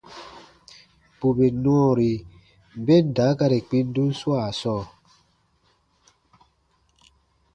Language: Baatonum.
Bù bè nɔɔri ben daakari kpindun swaa sɔɔ,